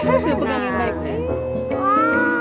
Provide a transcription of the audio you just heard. aku dipegang tangan